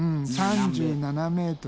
３７ｍ！？